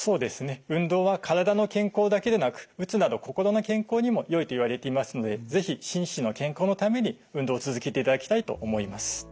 運動は体の健康だけでなくうつなど心の健康にもよいといわれていますので是非心身の健康のために運動を続けていただきたいと思います。